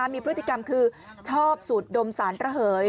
มีพฤติกรรมคือชอบสูดดมสารระเหย